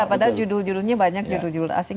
karena judul judulnya banyak judul judul asing